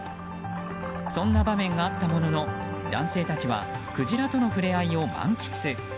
そんな場面があったものの男性たちはクジラとの触れ合いを満喫。